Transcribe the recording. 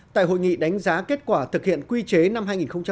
tại hội nghị đánh giá kết quả thực hiện quy chế năm hai nghìn một mươi sáu